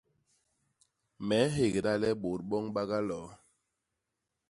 Me nhégda le bôt boñ ba galoo.